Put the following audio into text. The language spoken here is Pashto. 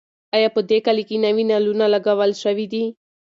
ایا په دې کلي کې نوي نلونه لګول شوي دي؟